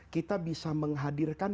kita bisa menghadirkan